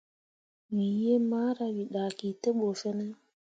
Wǝ yiimara, wǝ dahki te ɓu fine.